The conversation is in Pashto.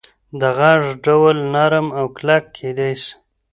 د غږ ډول نرم او کلک کېدی سي.